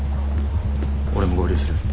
俺も合流する。